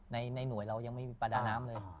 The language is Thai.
ในหน่วยเรายังไม่มีประดาน้ำเลย